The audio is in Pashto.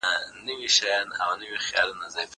هغه څوک چي تکړښت کوي روغ اوسي.